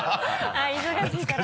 忙しいから。